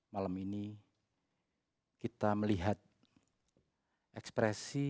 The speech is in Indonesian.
malam ini kita melihat ekspresi